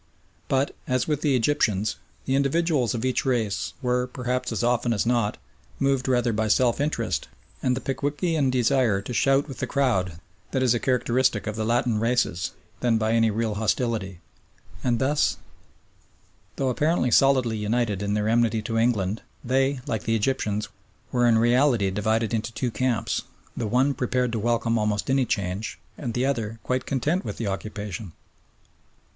But, as with the Egyptians, the individuals of each race were, perhaps as often as not, moved rather by self interest and the Pickwickian desire to shout with the crowd that is a characteristic of the Latin races, than by any real hostility, and thus, though apparently solidly united in their enmity to England, they, like the Egyptians, were in reality divided into two camps, the one prepared to welcome almost any change and the other quite content with the occupation.